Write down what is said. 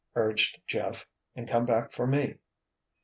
urged Jeff, "and come back for me."